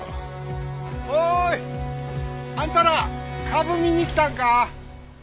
おーい！あんたらかぶ見に来たんか？